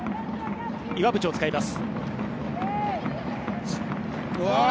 岩渕を使います。